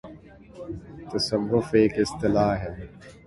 ' تصوف‘ ایک اصطلاح ہے۔